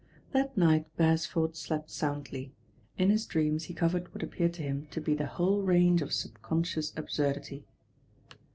That night Beresford slept soundly. In his dreams he covered what appeared to him to be the whole range of sub conscious absurdity.